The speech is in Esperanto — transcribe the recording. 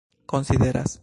konsideras